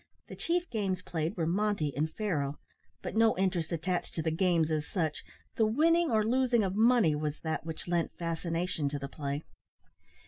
The chief games played were monte and faro, but no interest attached to the games as such, the winning or losing of money was that which lent fascination to the play.